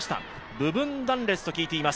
部分断裂と聞いています。